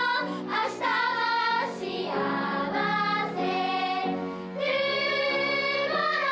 明日は幸せ